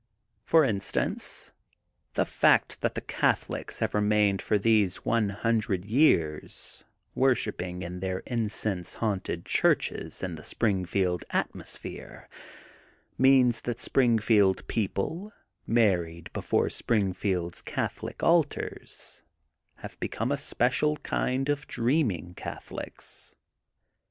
282 THE GOLDEN BOOK OF SPRINGFIELD ''For instance, the fact that the Catho lics have remained for these one hundred years worshipping in their incense haunted Churches in the Springfield atmosphere, means that Springfield people, married before Springfield Catholic altars, have become a special kind of dreaming Catholics.